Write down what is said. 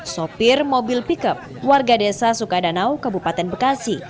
sopir mobil pickup warga desa sukadanau kabupaten bekasi